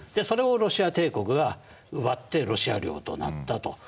それをロシア帝国が奪ってロシア領となったと。